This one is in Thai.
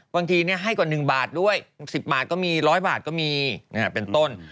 บางทีให้กว่า๑บาทด้วย๖๐บาทก็มี๑๐๐บาทก็มีเป็นต้น